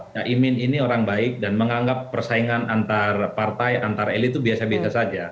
caimin ini orang baik dan menganggap persaingan antar partai antar elit itu biasa biasa saja